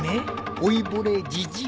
老いぼれじじいだから？